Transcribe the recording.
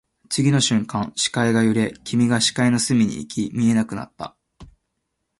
次の瞬間、視界が揺れ、君が視界の隅に行き、見えなくなった